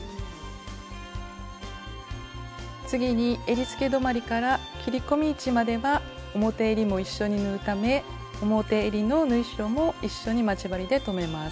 次にえりつけ止まりから切り込み位置までは表えりも一緒に縫うため表えりの縫い代も一緒に待ち針で留めます。